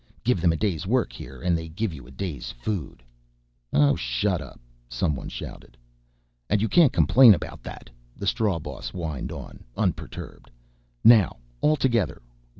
Give them a day's work here and they give you a day's food...." "Oh shut up!" someone shouted. "... And you can't complain about that," the strawboss whined on, unperturbed. "Now altogether